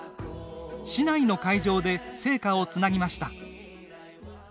市内の会場で聖火をつなぎました。